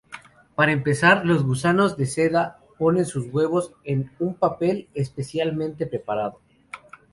Para empezar, los gusanos de seda ponen sus huevos en un papel especialmente preparado.